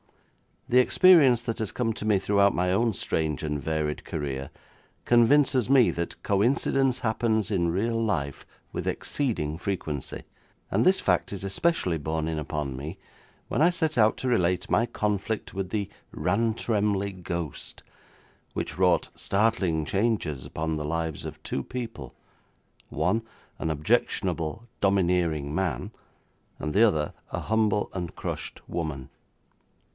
The experience that has come to me throughout my own strange and varied career convinces me that coincidence happens in real life with exceeding frequency, and this fact is especially borne in upon me when I set out to relate my conflict with the Rantremly ghost, which wrought startling changes upon the lives of two people, one an objectionable, domineering man, and the other a humble and crushed woman.